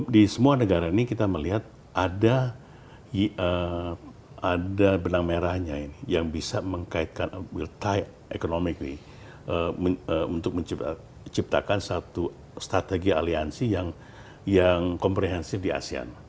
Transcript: di semua negara ini kita melihat ada benang merahnya ini yang bisa mengkaitkan will time economicly untuk menciptakan satu strategi aliansi yang komprehensif di asean